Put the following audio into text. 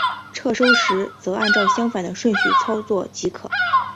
撤收时则按照相反的顺序操作即可。